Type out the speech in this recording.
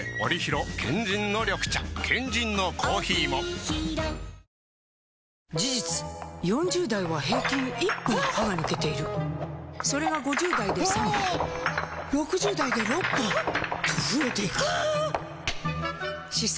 ニトリ事実４０代は平均１本歯が抜けているそれが５０代で３本６０代で６本と増えていく歯槽